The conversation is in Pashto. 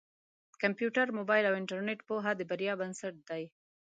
د کمپیوټر، مبایل او انټرنېټ پوهه د بریا بنسټ دی.